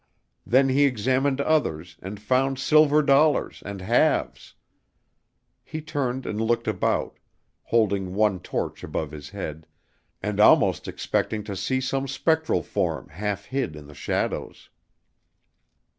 Then he examined others and found silver dollars and halves. He turned and looked about, holding one torch above his head, and almost expecting to see some spectral form half hid in the shadows.